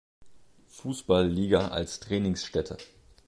Fußball-Liga als Trainingsstätte.